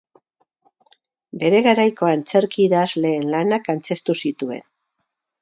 Bere garaiko antzerki-idazleen lanak antzeztu zituen.